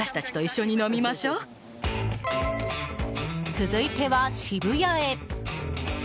続いては、渋谷へ。